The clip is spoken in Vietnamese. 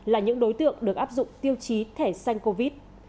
là những đối tượng được áp dụng tiêu chí thẻ xanh covid